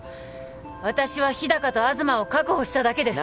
私は日高と東を確保しただけです！